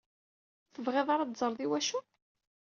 Ur tebɣiḍ ara ad teẓreḍ iwacu?